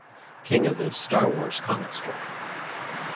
King of the "Star Wars" comic strip.